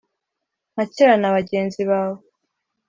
Nka kera na bagenzi bawe ?"